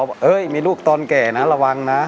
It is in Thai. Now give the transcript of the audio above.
ว่ามีลูกตอนแก่นะระวังนะ